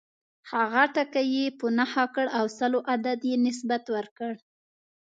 هغه ټکی یې په نښه کړ او سلو عدد یې نسبت ورکړ.